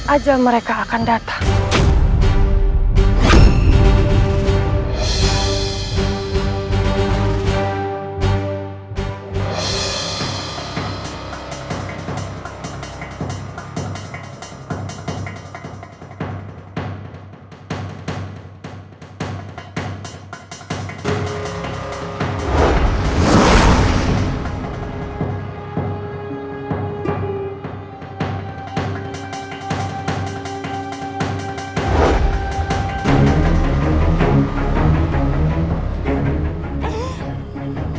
aja mereka akan datang